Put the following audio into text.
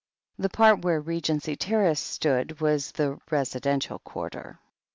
The part where Regency Terrace stood was the "residential quarter."